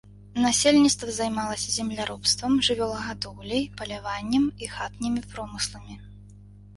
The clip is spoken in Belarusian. Насельніцтва займалася земляробствам, жывёлагадоўляй, паляваннем і хатнімі промысламі.